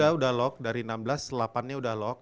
udah lock dari enam belas delapan nya udah lock